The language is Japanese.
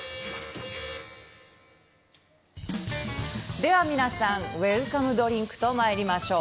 では皆さんウェルカムドリンクとまいりましょう。